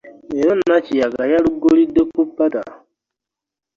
Leero Nakiyaga yaluggulidde ku ppata!